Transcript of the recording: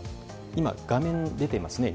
今、画面に出ていますね。